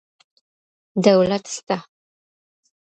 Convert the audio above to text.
دولت سته.